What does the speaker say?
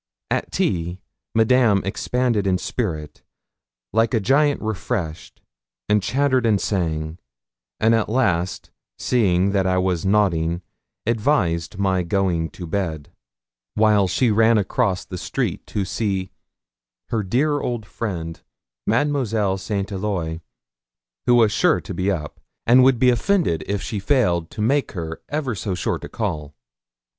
At tea, Madame expanded in spirit, like a giant refreshed, and chattered and sang; and at last, seeing that I was nodding, advised my going to bed, while she ran across the street to see 'her dear old friend, Mademoiselle St. Eloi, who was sure to be up, and would be offended if she failed to make her ever so short a call.'